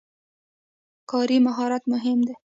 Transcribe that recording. کاري مهارت مهم دی.